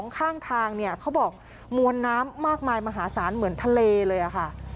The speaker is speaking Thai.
ข้างทางเนี่ยเขาบอกมวลน้ำมากมายมหาศาลเหมือนทะเลเลยค่ะ